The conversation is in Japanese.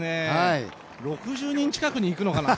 ６０人近くいくのかなと。